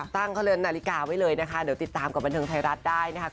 เรือนนาฬิกาไว้เลยนะคะเดี๋ยวติดตามกับบันเทิงไทยรัฐได้นะคะ